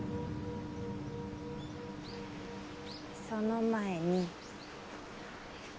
その前に。